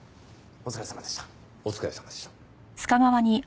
お疲れさまでした。